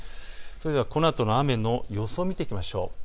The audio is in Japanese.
それではこのあとの雨の予想を見ていきましょう。